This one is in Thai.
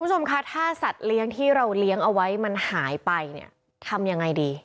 คุณผู้ชมคะถ้าสัตว์เลี้ยงที่เราเลี้ยงเอาไว้มันหายไปเนี่ยทำยังไงดี